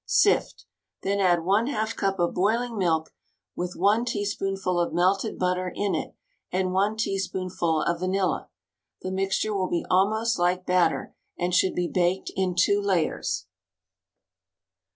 Sift Then add one half cup of boiling milk with one tea spoonful of melted butter in it, and one teaspoonful of vanilla. The mixture will be almost like batter, and shoujd be baked in two layers.